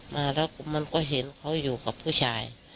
มาแล้วมันก็เห็นเขาอยู่กับผู้ชาย